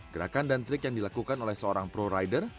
gerakan dan trik yang dilakukan oleh seorang pro rider